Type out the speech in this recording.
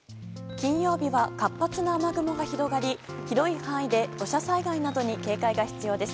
金曜日は活発な雨雲が広がり広い範囲で土砂災害などに警戒が必要です。